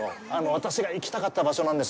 私が行きたかった場所なんです。